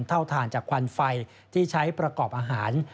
เท่าทานจากควันไฟที่ใช้ประกอบอาหาร